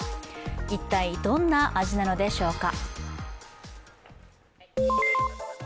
一体どんな味なのでしょうか。